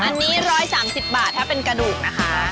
อันนี้๑๓๐บาทถ้าเป็นกระดูกนะคะ